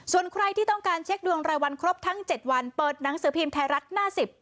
ส่วนใครที่ต้องการเช็คดวงรายวันครบทั้ง๗วันเปิดหนังสือพิมพ์ไทยรัฐหน้า๑๐